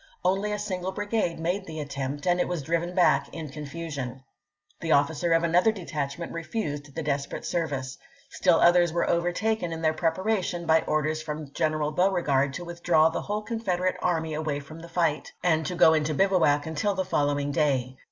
Only a single brigade made the attempt, and it was driven back in confusion. The ofiicer of another detachment refused the desperate service. Still others were overtaken in their preparation by orders from General Beauregard to withdraw the whole Confederate army from the fight, and to go into bivouac until the following day.